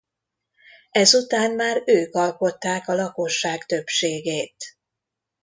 Ezután már ők alkották a lakosság többségét.